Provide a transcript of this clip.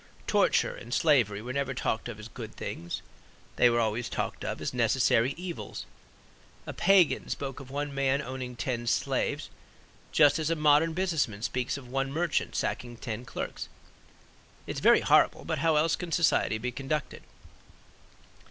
Torture and slavery were never talked of as good things; they were always talked of as necessary evils. A pagan spoke of one man owning ten slaves just as a modern business man speaks of one merchant sacking ten clerks: "It's very horrible; but how else can society be conducted?"